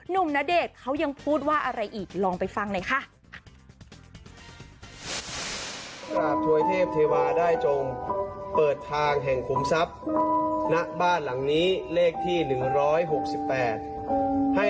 ณเดชน์เขายังพูดว่าอะไรอีกลองไปฟังหน่อยค่ะ